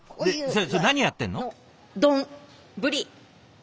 それ何やってんの？